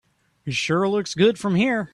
It sure looks good from here.